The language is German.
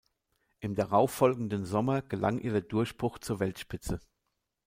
Im darauffolgenden Sommer gelang ihr der Durchbruch zur Weltspitze.